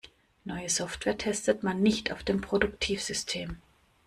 Neue Software testet man nicht auf dem Produktivsystem.